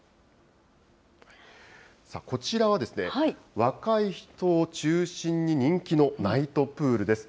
こちらは、若い人を中心に人気のナイトプールです。